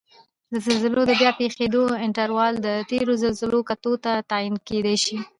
د زلزلو د بیا پېښیدو انټروال د تېرو زلزلو کتو ته تعین کېدای شي